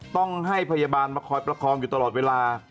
ต้องให้พยาบาลมาคอยประคองอยู่ตลอดเวลา